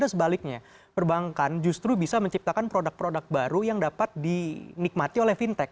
sebaliknya perbankan justru bisa menciptakan produk produk baru yang dapat dinikmati oleh fintech